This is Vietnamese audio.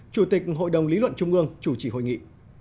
chủ tịch hội đồng lý luận trung ương chủ trì hội nghị